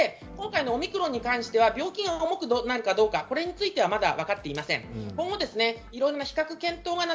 オミクロンに関しては病気が重くなるかどうかはまだ分かっていません。